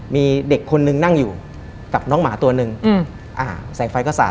มีเด็กคนนึงนั่งอยู่กับน้องหมาตัวหนึ่งอืมอ่าแสงไฟก็สาด